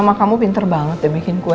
mama kamu pinter banget ya bikin kue